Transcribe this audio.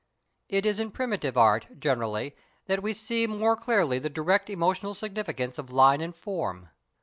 It is in primitive art generally that we see more clearly the direct emotional significance of line and form.